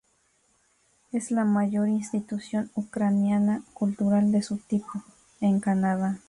Es la mayor institución ucraniana cultural de su tipo en Canadá.